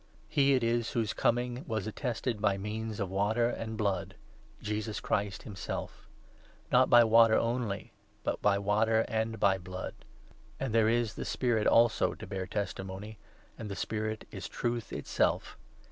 He 6 it is whose Coming was attested by means of TTeIt1mon7.'d Water and Blood— Jesus Christ himself ; not by Water only, but by Water and by Blood. And there is the Spirit also to bear testimony, and the Spirit is Truth itself.